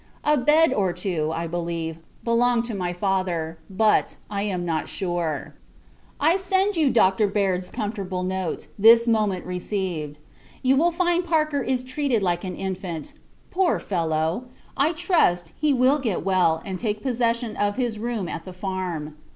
A bed, or two, I believe, belong to my father; but, am not sure. I send you Dr. Baird's comfortable note, this moment received. You will [find] Parker is treated like an infant. Poor fellow! I trust, he will get well, and take possession of his room at the farm.